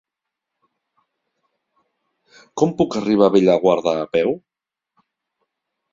Com puc arribar a Bellaguarda a peu?